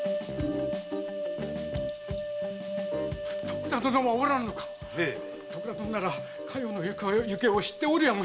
徳田殿はおらぬのか⁉徳田殿なら佳代の行方を知っておるやもしれぬと思うてな。